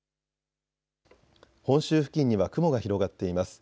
本州付近には雲が広がっています。